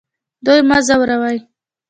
دوی مه ځوروئ